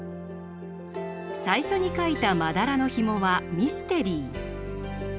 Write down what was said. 最初に描いた「まだらのひも」はミステリー。